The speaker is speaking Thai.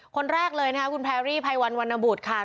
คนแรกเลยคุณแพรรี่ไพวันวันนบุตรค่ะ